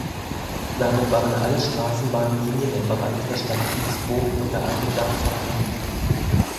Damit waren alle Straßenbahnlinien im Bereich der Stadt Duisburg unter einem Dach vereint.